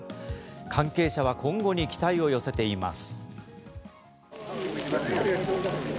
関係者は今後に期待を寄せています。